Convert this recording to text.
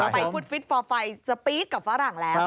ไปฟุตฟิตฟอร์ไฟสปีดกับฝรั่งแล้ว